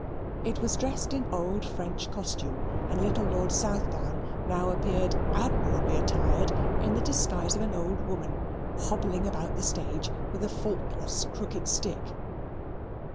It was dressed in old French costume, and little Lord Southdown now appeared admirably attired in the disguise of an old woman hobbling about the stage with a faultless crooked stick.